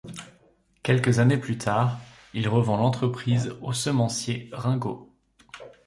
Quelques années plus tard, il revend l'entreprise au semencier Ringot.